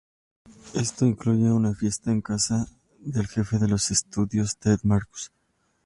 Esto incluye una fiesta en casa del Jefe de los Estudios Ted Marcus.